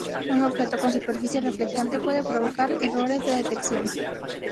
Un objeto con superficie reflectante puede provocar errores de detección.